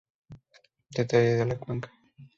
Detalle de la cuenca.